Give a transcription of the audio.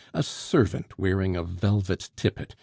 A servant wearing a velvet tippet!